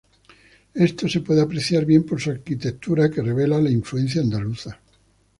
Esto se puede apreciar bien por su arquitectura, que revela la influencia andaluza.